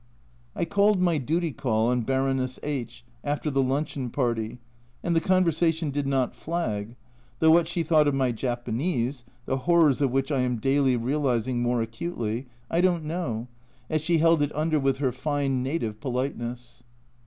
I called my duty call on Baroness H after the luncheon party, and the conversation did not flag, though what she thought of my Japanese (the horrors of which I am daily realising more acutely) I don't A Journal from Japan 113 know, as she held it under with her fine native politeness.